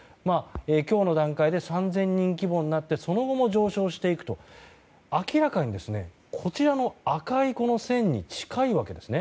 今日の段階で３０００人規模になってその後も上昇していくと明らかにこちらの赤い線に近いわけですね。